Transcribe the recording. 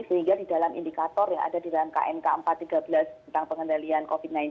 sehingga di dalam indikator yang ada di dalam knk empat ratus tiga belas tentang pengendalian covid sembilan belas